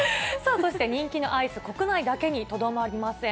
そして、人気のアイス、国内だけにとどまりません。